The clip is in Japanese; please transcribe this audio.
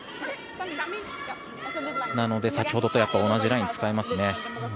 なので先ほどと同じラインを使いますね。